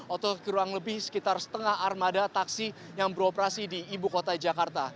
atau kurang lebih sekitar setengah armada taksi yang beroperasi di ibu kota jakarta